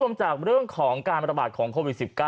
จากเรื่องของการประบาดของโควิด๑๙